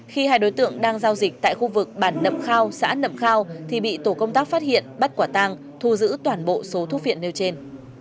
khi hai đối tượng đang giao dịch tại khu vực bản nậm khao xã nậm khao thì bị tổ công tác phát hiện bắt quả tang thu giữ toàn bộ số thuốc viện nêu trên